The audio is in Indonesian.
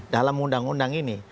dalam undang undang ini